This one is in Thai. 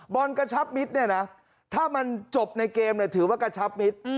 บอลกระชับมิสถ้ามันจบในเกมถือว่ากระชับมิตร